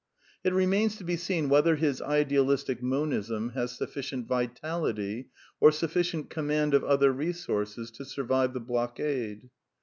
It remains to be seen whether his Idealistic Monism has sufficient vitality, or sufficient command of other resources to survive the blockade.